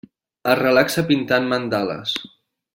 Es relaxa pintant mandales.